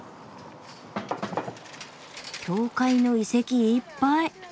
教会の遺跡いっぱい！